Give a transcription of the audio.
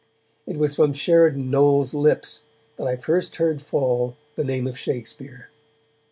It was from Sheridan Knowles' lips that I first heard fall the name of Shakespeare.